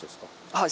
はい。